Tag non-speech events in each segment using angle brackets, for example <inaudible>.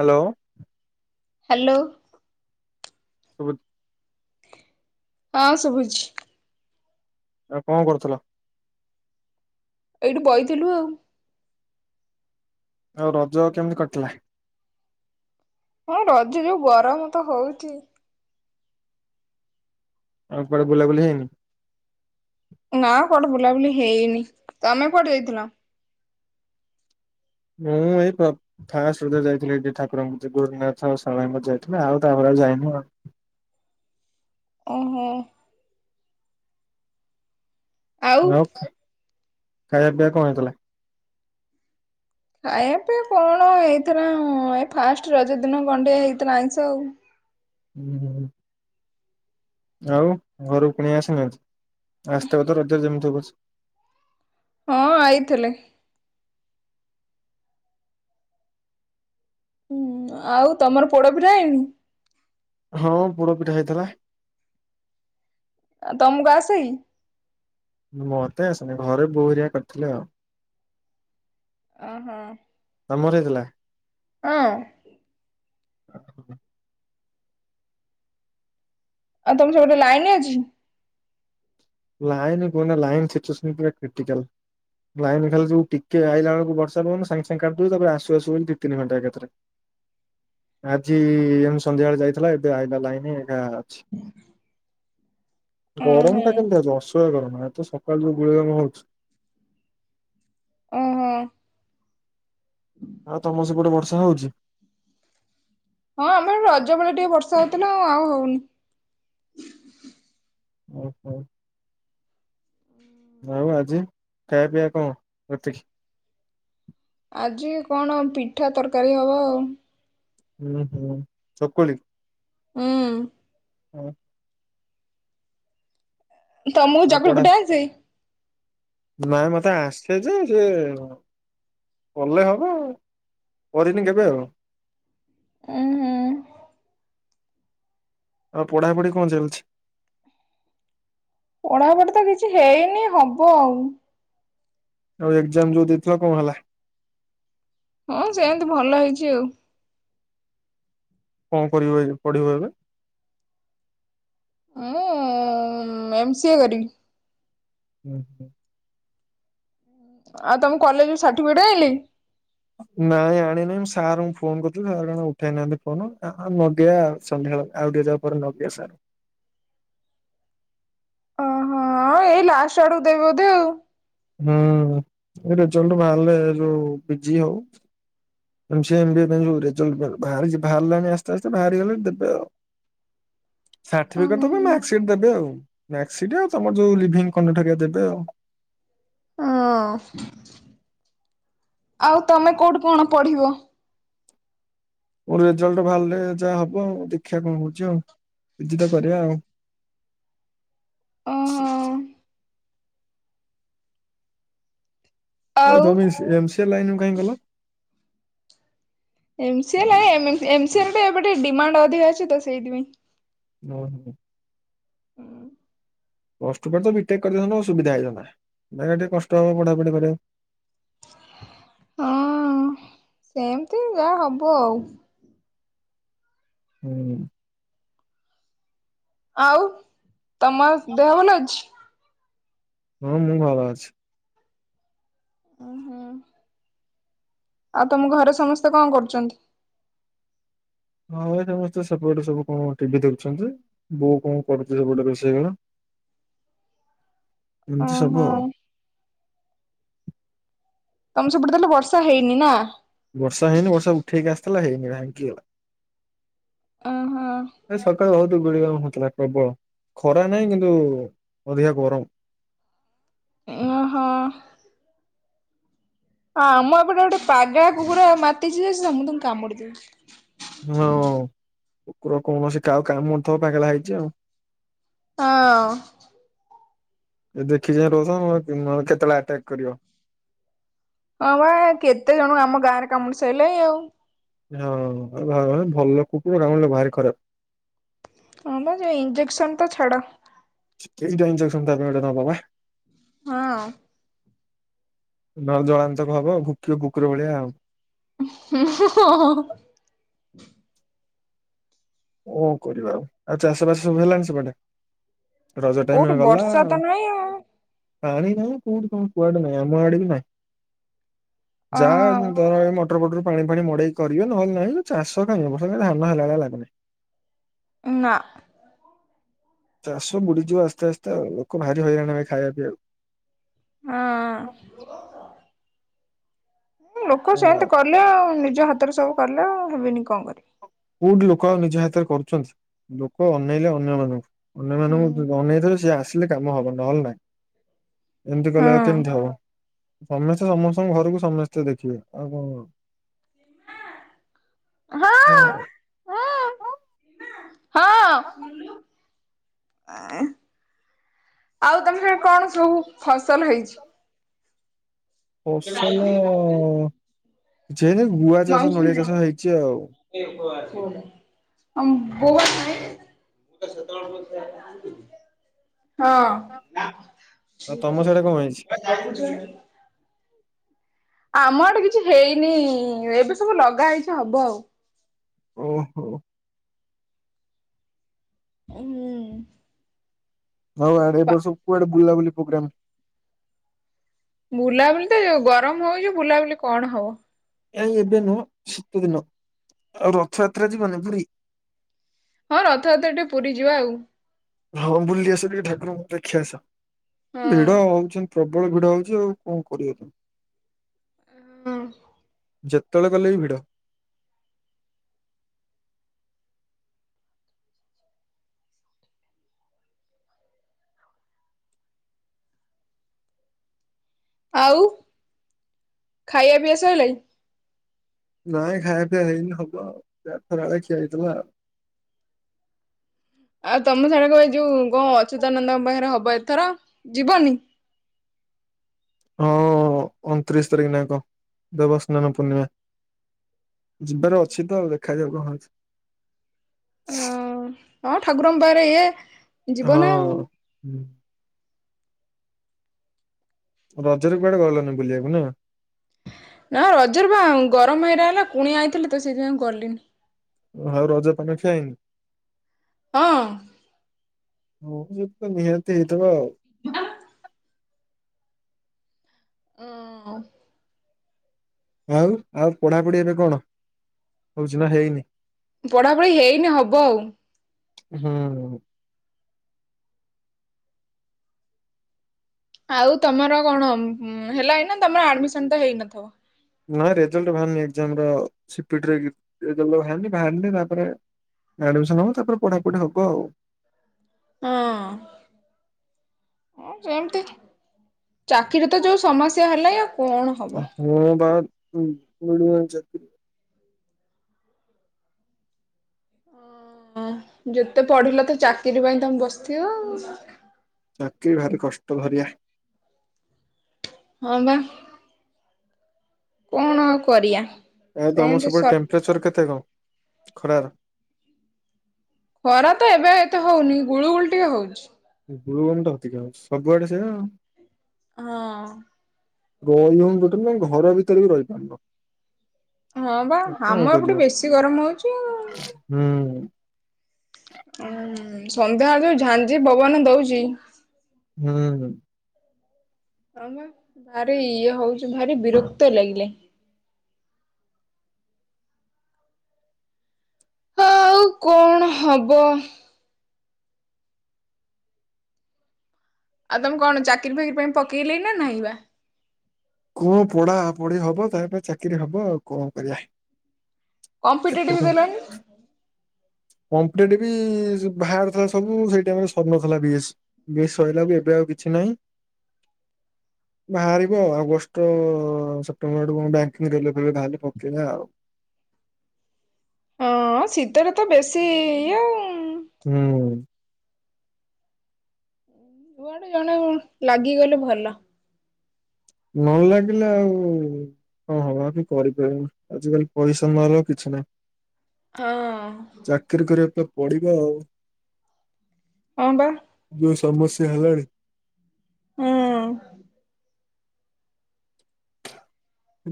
Hello. Hello. ଶୁଭୁଛି? ହଁ ଶୁଭୁଛି। ଆଉ କଣ କରୁଥିଲ? ଏଇଠି ବଇଥିଲୁ ଆଉ। ଆଉ ରଜ କେମିତି କଟିିଲା? ହଁ ରଜ ଯୋଉ ଗରମ ତ ହଉଛି। ଆଉ କୁଆଡେ ବୁଲାବୁଲି ହେଇନି? ନାଁ କୁଆଡେ ବୁଲାବୁଲି ହେଇନି ତମେ କୁଆଡେ ଯାଇଥିଲ? ମୁଁ ଏଇ ପ ଫାଷ୍ଟ୍ ରଜରେ ଯାଇଥିଲି ଟିକେ ଠାକୁରଙ୍କୁ ଟିକେ ଗୋରେଖନାଥ ଆଉ ଶାରଳାଙ୍କ ଯାଇଥିଲେ ଆଉ ତାପରେ ଆଉ ଯାଇନୁ ଆଉ। ଓ ହୋ। ଆଉ ଖା ଖାଇବା ପିଇବା କଣ ହେଇଥିଲା? ଖାଇଆ ପିଆ କଣ ହେଇଥିଲା ଉଁ ଏଇ ଫାଷ୍ଟ୍ ରଜ ଦିନ ଗଣ୍ଡେ ହେଇଥିଲା ଆଇଁଷ ଆଉ। ହୁଁ ହୁଁଁ। ଆଉ ଘରୁକୁ କୁଣିଆ ଆସିନାହାଁନ୍ତି? ଆସଥିବେ ତ ରଜରେ ଯେମତି ହଉ ପଛେ ହଁ ଆଇଥେଲେ। ହୁଁ। ଆଉ ତମର ପୋଡ ପିଠା ହେଇନି? ହଁ, ପୋଡ ପିଠା ହେଇଥିଲା। ଆ ତମକୁ ଆସେଇ? ମତେ ଆସେନେଇ। ଘରେ ବୋଉ ହେରିଆ କରିଥିଲେ ଆଉ। ଓହୋ। ତମର ହେଇଥିଲା? ହଁ। ଆଚଛା <inaudible> ଆଉ ତମ ସେପଟେ ଲାଇନ୍ ଅଛି? ଲାଇନ୍ କୁହନା, ଲାଇନ୍ ସିଚୁଏସନ ପୁରା କ୍ରିଟିକାଲ। ଲାଇନ୍ ଖାଲି ଯୋଉ ଟିକେ ଆଇଲା ବେଳକୁ ବର୍ଷା ପବନ, ସାଙ୍ଗ ସାଙ୍ଗ କାଟି ଦଉଛି, ତାପରେ ଆସୁ ଆସୁ ବୋଲି ଦି ତିିନି ଘଣ୍ଟା ଏକାଥରେ। ଆଜି ଏମତି ସନ୍ଧ୍ୟାବେଳେ ଯାଇଥିଲା ଏବେ ଆଇଲା ଲାଇନି ହେଇକା ଅଛି। ହ ଗରମଟା କେମିତି ଆଉଛି ଅସହ୍ୟ ଗରମ। ଏ ତ ସକାଳୁ ଯୋଉ ଗୁଳି ଗରମ ହଉଛି ଓହୋ। ହୁଁ ଆଉ ତମର ସେପଟେ ବର୍ଷା ହଉଛି? ହଁ ଆମର ଏପଟେ ରଜ ବେଳେ ଟିକେ ବର୍ଷା ହଉଥିଲା ଆଉ ଆଉ ହଉନି। ଓହୋ। ଆଉ ଆଜି, ଖାଇଆ ପିଇଆ କଣ ରାତିକି? ଆଜି କଣ ପିଠା, ତରକାରୀ ହବ ଆଉ। ହୁଁ ହୁଁ, ଚକୁଳି? ହୁଁ। ହଁ। ତମକୁ ଚକୁଳି ପିଠା ଆସେଇ? ନା ମତେ ଆସେ ଯେ ସେ କଲେ ହବ, କରିନି କେବେ ଆଉ। ଉଁ ହୁଁ। ଆଉ ପଢାପଢି କଣ ଚାଲିଛି? ପଢାପଢି ତ କିଛି ହେଇନି, ହବ ଆଉ। ଆଉ ଏକ୍ଜାମ ଯୋଉ ଦେଇଥିଲ, କଣ ହେଲା? ହଁ ସେମତି ଭଲ ହେଇଛି ଆଉ। କଣ କରିବ ଏ ପଢିବ ଏବେ? ମୁଁ ଉମ୍ ଏମ ସି ଏ କରିବି। ଉଁ ହୁଁ। ଆଉ ତମ କଲେଜରୁ ସାର୍ଟିଫିକେଟ୍ ଆଇଁଲେଇ? ନାଇଁ ଆଣିନାହିଁ, ମୁଁ ସାରଙ୍କୁ ଫୋନ କରୁଥିଲି, ସାର୍ କଣ ଉଠେଇନାହାଁନ୍ତି ଫୋନ, ଆ ମଗେଇଆ ଆଉ। ସନ୍ଧ୍ୟାବେଳେ ଆଉ ଟିକେ ଯାଉ ପରେ ଲଗେଇଆ ସାରଙ୍କୁ। ଓହୋ ଏଇ ଲାଷ୍ଟ ଆଡୁକୁ ଦେବେ ବୋଧେ ଆଉ? ହୁଁ। ଏଇ ରେଜଲ୍ଟ ବାହାରିଲେ ଯୋଉ ପି ଜି ହଉ M C A, M B A ପାଇଁ ଯୋଉ ରେଜଲ୍ଟ ବା-ଭାରିଚି ବାହାରିଲାଣି ଆସ୍ତେ ଆସ୍ତେ ବାହାରିଗଲେ ଦେବେ ଆଉ। ସାର୍ଟିଫିକେଟ୍ ତ କଣ ମାର୍କସିଟ ଦେବେ ଆଉ। ମାର୍କସିଟ ଆଉ ତମର ଯୋଉ ଲିଭିଙ୍ଗ କଣ୍ଡକ୍ଟ ହେରିକା ଦେବେ ଆଉ। ହଁ, ଆଉ ତମେ କୋଉଠି କଣ ପଢିବ? ମୋର ରେଜଲ୍ଟ ବାହାରିଲେ ଯାହା ହବ ଆଉ। ଦେଖିବା କଣ ହଉଛି ଆଉ? ପି ଜି ତ କରିବା ଆଉ। ହଁ ଆଉ ତମେ ସେ ଏମ୍ ସି ଏ ଲାଇନକୁ କାହିଁକି ଗଲ? ଏମ ସି ଏ ଲାଇଁ ଏମିତି ଏମ୍ ସି ଏ ରେ ଟିକେ ଏବେ ଟିକେ ଡିମାଣ୍ଡ ଅଧିକା ଅଛି ତ ସେଇଥିପାଇଁ। ହୁଁ ହୁ <inaudible> ହୁଁ। <inaudible> ପ୍ଲସ ଟୁ ପରେ ତ ବିଟେକ୍ କରିଦେଇଥାନ୍ତ ସୁବିଧା ହେଇଥାନ୍ତା, ଯାହା ଟିକେ କଷ୍ଟ ହବ ପଢା ପଢି କରିଆକୁ। ହଁ ସେମିତି ଯାହା ହବ ଆଉ। ହୁଁ। ଆଉ ତମ ଦେହ ଭଲ ଅଛି? ହଁ ମୁଁ ଭଲ ଅଛି। ଉଁ ହୁଁ। ଆଉ ତମ ଘରେ ସମସ୍ତେ କଣ କରୁଚନ୍ତି? ହଁ ଭାଇ ସମସ୍ତେ ସେପଟେ ସବୁ କଣ ଟିଭି ଦେଖୁଛନ୍ତି, ବୋଉ କଣ କରୁଚି ସେପଟେ ରୋଷେଇ କଣ। ଏମିତି ଓହୋ ସବୁ ଆଉ। ତମ ସେପଟେ ତାହେଲେ ବର୍ଷା ହେଇନି ନା? ବର୍ଷା ହେଇନି ବର୍ଷା ଉଠେଇକି ଆସିଥିଲା ହେଇନି ଭାଙ୍ଗିଗଲା। ଓହୋ ଆ ସକାଳୁ ବୋହୁତ୍ ଧୂଳି କାମ ହୋଉଥିଲା ପ୍ରବଳ, ଖରା ନାହିଁ କିନ୍ତୁ ଅଧିକା ଗରମ। ଓହୋ। ହଁ ଆମ ଏପଟେ ଗୋଟେ ପାଗେଳା କୁକୁର ମାତିଛି ଯେ ସମସ୍ତଙ୍କୁ କାମୁଡି ଦଉଛି। ହଁ କୁକୁର କୌଣସି କହାକୁ କାମୁଡିଥିବ ପାଗଳା ହେଇଛି ଆଉ। ହଁ। ଏ ଦେଖି ଚାହିଁ ରହୁଥିବ, ନହେଲେ କେତେବେଳେ ଆଟାକ୍ କରିବ। ହଁ ବା କେତେ ଜଣକୁ ଆମ ଗାଁରେ କାମୁଡି ସାଇଲାଣି ଆଉ। ହଁ ଭଲ, କୁକୁର କାମୁଡ଼ିଲେ ଭାରି ଖରାପ୍। ହଁ ଵା ଯୋଉ ଇଞ୍ଜେକ୍ସନ୍ କେଇଟା ଇଞ୍ଜେକ୍ସନ ତା ପାଈଁ ଗୋଟେ ନବ ବା? ହଁ। ନ ହେଲେ ଜଳାନ୍ତକ ହବ, ଆଉ ଭୁକିବ ଭୁକୁର ଭଳିଆ ଆଉ। <unintelligible> କଣ କରିବା ଆଉ? ଆଉ ଚାଷ ବାସ ସବୁ ହେଲାଣି ସେପଟେ? ରଜ ଟାଇମ୍ ରେ କୋଉଠି ଗଲା ବର୍ଷା ତ ଆଉ, ନାହିଁ ଆଉ ପାଣି ନାହିଁ କୋଉଠି କଣ କୁଆଡେ ନାହିଁ ଆମ ଆଡେ ବି ନାହିଁ। ଯାଏ ଓହୋ ତର ଏ ମୋ ମଟର ଫଟର, ପାଣି ଫାଣି ମଡେଇ କରିବେ, ନହେଲେ ନାହିଁ ଚାଷ କାଇଁ ଏ ବର୍ଷ ଧାନ ହେଲାଭଳିଆ ଲାଗୁ ନାହିଁ। ନା। ଚାଷ ବୁଡିଯିବ ଆସ୍ତେ ଆସ୍ତେ ଆଉ, ଲୋକ ଭାରି ହଇରାଣ ହେବେ ଖାଇବା ପିଆକୁ। ହଁ। ଲୋକ କଣ ସେମିତି ଆଉ। କଲେ ଆଉ, ନିଜ ହାତରେ ସବୁ କଲେ ଆଉ, ହେବନି କଣ କରିବେ। କୋଉଠି ଲୋକ ଅଉ ନିଜ ହାତରେ କରୁଛନ୍ତି, ଲୋକ ଅନେଇଲେ ଅନ୍ୟମାନଙ୍କୁ। ହଁ ଅନ୍ୟମାନାନଙ୍କୁ ଅନେଇଥିବେ ସିଏ ଆସିଲେ କାମ ହବ ନହେଲେ ନାହିଁ, ଏମିତି କଲେ ଆଉ କେମିତି ହବ। ସମସ୍ତେ ସମସ୍ତଙ୍କ ଘରକୁ ସମସ୍ତେ ଦେଖିବେ ଆଉ କଣ ହଁ ସେୟା ହଁ, ଶୁଣିଲୁ। ଏଁ, ଆଉ ତମେ କଣ ସବୁ ଫସଲ ହେଇଛି? ଫସଲ କିଛି ହେଇନି, ଗୁଆ ଚାଷ ନଡ଼ିଆ ଚାଷ ହେଇଛି ଆଉ। ଅଁ, ବୋଉ ଆସିନି? <unintelligible> ହଁ। ଆଉ ତମ ସିଆଡେ କଣ ହେଇଛି ଆମ ଆଡେ କିଛି ହେଇନି, ଏବେ ସବୁ ଲଗା ହେଇଛି ହବ ଆଉ। ଓହୋ। ହୁଁ। ହଉ ଆଡ଼େ ଏ ବର୍ଷ କୁଆଡେ ବୁଲାବୁଲି ପ୍ରୋଗ୍ରାମ୍? ବୁଲାବୁଲି ତ ଯୋଉ ଗରମ ହଉଛି, ବୁଲାବୁଲି କଣ ହବ। ନାଇ ଏବେ ନୁହଁ ଶୀତ ଦିନ ଆଉ ରଥଯାତ୍ରା ଯିବନି ପୁରୀ। ହଁ ରଥଯାତ୍ର ଟିକେ ପୁରୀ ଯିବା ଆଉ। ହଉ ବୁଲି ଆସିବି ଠାକୁରଙ୍କୁ ଦେଖି ଆସ ହଁ ଭିଡ ହଉଛନ୍ତି। ପ୍ରବଳ ଭିଡ ହଉଛି ଆଉ କଣ କରିବ ତ? ହଁ। ଯେତେବେଳେ ଗଲେ ବି ଭିଡ। ଆଉ ଖାଇବା ପିଇଆ ସଇଲାଣି। ନାଇଁ ଖାଇବା ପିଇବା ହେଇନି ହବ ଆଉଯାହା ଖରାବେଳେ ଖିଆ ହେଇଥିଲା ଆଉ। ଆଉ ତମେ ସାଗେ ଏଇ ଯୋଉ ଗ ଅଚ୍ୟୁତାନନ୍ଦଙ୍କ ପାଖରେ ହବ ଏଥର ଯିବନି। ହଁ ଅଣତିରିଶ ତାରିଖ ନା କ ଦେବସ୍ନାନ ପୂର୍ଣ୍ଣିମା। ଯିବାର ଅଛି ତ ଆଉ ଦେଖାଯାଉ କଣ ଅ ହଉଛି। ହଁ ଠାକୁରଙ୍କ ପାରେ ଇଏ ଯିବ ନା ଆଉ। ହୁଁ। ରଜରେ କୁଆଡେ ଗଲଣିି ବୁଲିବାକୁ ନା। ନା ରଜର ବା ଗରମ ହେଇରା ହେଲା ଗୁଣିଆ ଆଇଥିଲି ତ ସେଇଥିପାଇଁ ଗଲିନି। ଆଉ ରଜ ପାନ କାଇ। ହଁ। ହଁ ଯ ତ ନିହାତି ହେଇଥିବ ଆଉ। ମ <inaudible> ହଁ ଆଉ। ଆଉ ଆଉ ପଢାପଢି ଏବେ କଣ ହଉଛିବା ହେଇନି। ପଢା ପଢି ହେଇନି ହବ ଆଉ। ହଁ। ଆଉ ତମର କଣ ହେଲା ଏଇନା ତମର ଆଡମିସନ ତ ହେଇନଥିବ। ନାଇଁ ରେଜଲ୍ଟ ବାହାରନି ଏକ୍ଜାମର ସିପିଟିର ବାହାରନି ବାହାରିନି ତାପରେ। ଆଡମିସନ ହବ ତାପରେ ପଢାପଢି ହବ ଆଉ। ହଁ। ହ ସେମିତି ଚାକିରି ତ ଯୋଉ ସମସ୍ୟା ହେଲାଇ ଆଉ କଣ ହବ? ମୁଁ ବା ମିଳୁ <unintelligible> ହ। ହଁ ଯେତେ ପଢିଲ ତ ଚାକିରି ପାଇଁ ତମେ ବସିଥିବ ଆଉ। ଚାକିର ଭାରି କଷ୍ଟ ଭରିଆ। ହଁ ବା। କଣ ଆଉ କରିଆ? ଏ ତମ ସେପଟ ଟେମ୍ପରେଚର କେତେ କଣ ଖରାର? ଖରା ତ ଏବେ ଏତେ ହଉନି ଗୁଳୁ ଗୁଳଟିଏ ହଉଛି। ଗୁରୁ ଗମ <unintelligible> ଟା ଅଧିକା ଆଉ ସବୁଆଡେ ସେଇଆ। ହଁ। ରହି ହଉନୋଟେ ଘର ଭିତରେ ବି ରହିପାରିବ। ହଁ ବା ଆମ ଏପଟେ କରିବ ବେଶୀ ଗରମ ହଉଛି ଆଉ। ହୁଁ। ଉଁ ସନ୍ଧ୍ୟାବେଳଳେ ଯୋଉ ଝାଞ୍ଜି ପବନ ଦଉଛି। ହୁଁ ହୁଁ। ହଁ ବା ଆରେ ଇଏ ହଉଛି ଭାରି ବିରକ୍ତ ଲାଗିଲେଇ। ଆଉ କଣ ହବ? ଆଉ ତମେ କଣ ଚାକିରି ଫାକିରି ପାଇଁ ପକେଇଲେଇ ନାହିଁବା। କୁହ ପଢା ପଢି ହବ ତାପ ଚାକିରି ହବ ଆଉ କଣ କରିବା। କମ୍ପିଟେଟିଭ ଦେଲନି। କମ୍ପିଟେଟିଭ ବାହରଥିଲା ସବୁ ସେଇ ଟାଇମ ରେ ସରିନଥିଲା ବିଏସି। ବିଏସି ସଇଲାକୁ ଏବେ ଆଉ କିଛି ନାହିଁ ବାହାରିବ ଆଉ ଅଗଷ ତ ସେପ୍ଟେମ୍ବର ଆଡୁକୁ ବ୍ୟାଙ୍କିଙ୍ଗ ରିଲେଟେଡ ବାହାରିଲେ ପକେଇଆ ଆଉ। ହଁ ଶୀତରେ ତ ବେଶୀ ଇଏ ଆଉ। ହୁଁ। ଯୁଆଡୁ ଜଣେ ଲାଗିଗଲେ ଭଲ। ନ ଲାଗିଲେ ଆଉ କଣ ହବ ଆ ବି କରିପାରିବି ଆଜିିକାଲି ପଇସା ନହଲେ ଆଉ କିଛି ନାହିଁ। ହଁ। ଚାକିରି କରିବା ପାଇଁ ପଡିବ ଆଉ। ହଁ ପା। ଯୋଉ ସମସ୍ୟା ହେଲାଣି। ହଁ।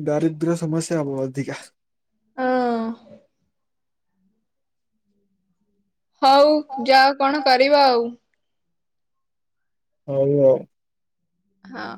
ଦାରିଦ୍ର୍ୟ ସମସ୍ୟା ହବ ଅଧିକା। ହଁ। ହଉ ଯାଅ କଣ କରିବ ଆଉ। ହଉ ଆଉ। ହଁ।